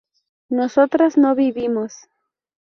nosotras no vivimos